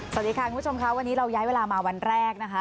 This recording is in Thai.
สวัสดีค่ะคุณผู้ชมค่ะวันนี้เราย้ายเวลามาวันแรกนะคะ